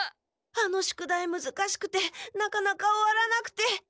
あの宿題むずかしくてなかなか終わらなくて。